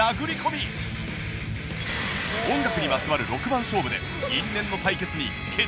音楽にまつわる六番勝負で因縁の対決に決着をつける